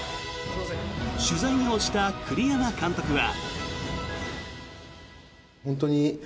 取材に応じた栗山監督は。